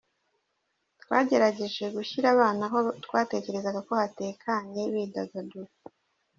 Twagerageje gushyira abana aho twakerezaga ko hatekanye bidagadura.